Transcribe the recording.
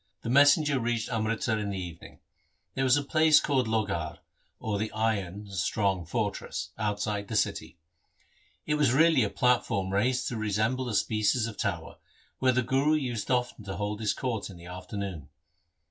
The messenger reached Amritsar in the evening. There was a place called Lohgarh, or the iron (strong) fortress, outside the city. It was really a platform raised to resemble a species of tower, where the Guru used often to hold his court in the afternoon.